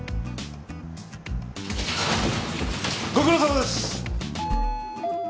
ご苦労さまです